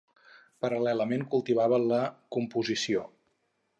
Paral·lelament, cultivava la composició.